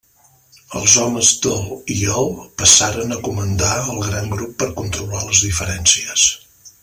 Els homes del i el passaren a comandar el gran grup per controlar les diferències.